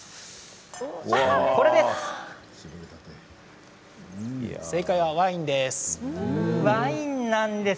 これです。